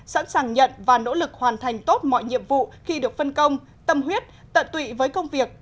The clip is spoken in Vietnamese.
sẵn sàng nhận và nỗ lực hoàn thành tốt mọi nhiệm vụ khi được phân công tâm huyết tận tụy với công việc